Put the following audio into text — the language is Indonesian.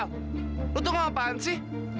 lu tuh ngapain sih